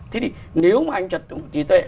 thế thì nếu mà anh trật tục trí tuệ